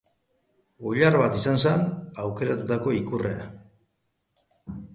Oilar bat izan zen aukeratutako ikurra.